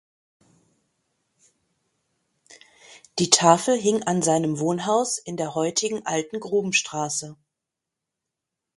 Die Tafel hing an seinem Wohnhaus in der heutigen Alten Grubenstraße.